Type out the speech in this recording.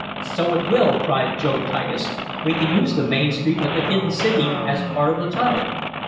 "So it will!" cried Job Titus. "We can use the main street of the hidden city as part of the tunnel."